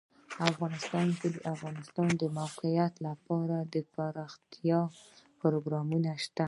افغانستان کې د د افغانستان د موقعیت لپاره دپرمختیا پروګرامونه شته.